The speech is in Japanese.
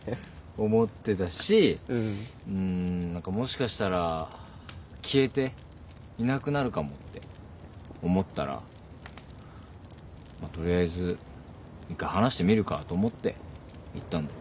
思ってたしうん何かもしかしたら消えていなくなるかもって思ったら取りあえず一回話してみるかと思って行ったんだよ。